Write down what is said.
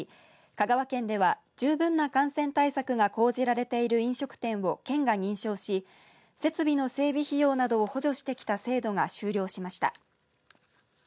香川県では十分な感染対策が講じられている飲食店を県が認証し設備の整備費用などを補助してきた制度が終了しました。